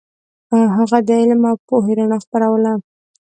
هغه د علم او پوهې رڼا خپروله.